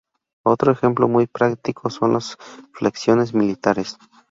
Otros ejemplo muy práctico son las flexiones militares.